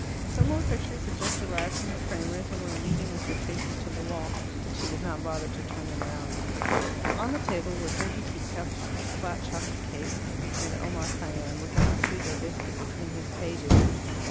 Some more pictures had just arrived from the framers and were leaning with their faces to the wall, but she did not bother to turn them round. On the table were dirty teacups, a flat chocolate cake, and Omar Khayyam, with an Oswego biscuit between his pages.